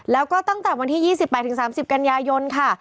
แล้วก็ตั้งแต่วันที่๒๘๓๐กันยายนค่ะ